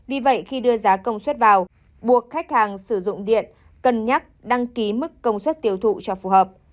vì vậy khi đưa giá công suất vào buộc khách hàng sử dụng điện cân nhắc đăng ký mức công suất tiêu thụ cho phù hợp